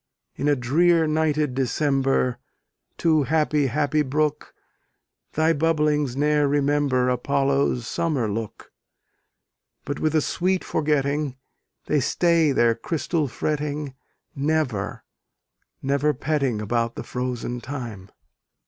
In a drear nighted December, Too happy, happy brook, Thy bubblings ne'er remember Apollo's summer look; But with a sweet forgetting, They stay their crystal fretting, Never, never petting About the frozen time.